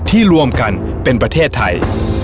รวมกันเป็นประเทศไทย